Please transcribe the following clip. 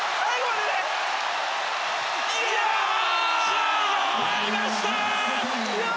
試合が終わりました！